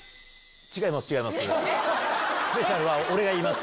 違います